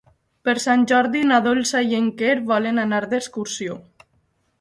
Per Sant Jordi na Dolça i en Quer volen anar d'excursió.